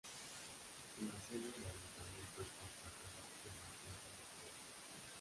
La sede del Ayuntamiento está emplazada en la Plaza de Cort.